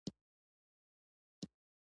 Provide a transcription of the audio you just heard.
سپوږمۍ پۀ وريځو کښې ورکه شوه